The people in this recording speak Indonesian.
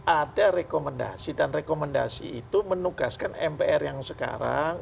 ada rekomendasi dan rekomendasi itu menugaskan mpr yang sekarang